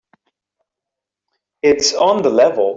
It's on the level.